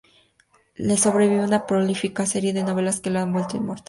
Le sobrevive una prolífica serie de novelas que lo han vuelto inmortal.